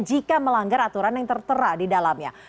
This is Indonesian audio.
jika melanggar aturan yang tertera di dalamnya